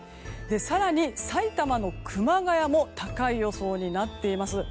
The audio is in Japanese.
更に埼玉の熊谷も高い予想になっています。